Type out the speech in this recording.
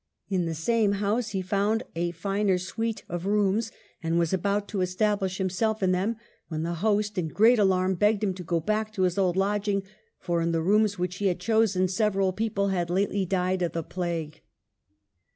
In the same house he found a finer suite of rooms, and was about to establish himself in them, when the host in great alarm begged him to go back to his old lodging, for in the rooms which he had chosen several people had lately died of the plague.